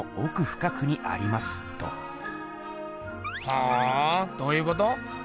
ほおどういうこと？